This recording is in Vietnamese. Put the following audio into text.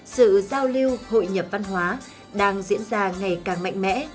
sự giao lưu hội nhập văn hóa đang diễn ra ngày càng mạnh mẽ